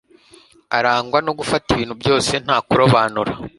arangwa no gufata ibintu byose nta kurobanura.